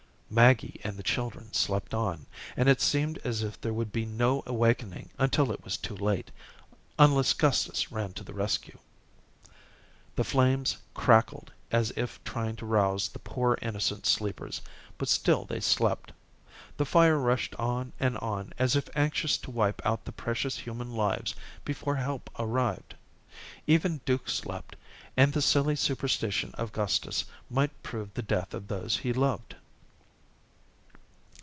Maggie and the children slept on, and it seemed as if there would be no awakening until it was too late, unless Gustus ran to the rescue. The flames crackled as if trying to rouse the poor, innocent sleepers, but still they slept. The fire rushed on and on as if anxious to wipe out the precious human lives before help arrived. Even Duke slept, and the silly superstition of Gustus might prove the death of those he loved.